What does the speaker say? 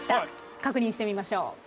確認してみましょう。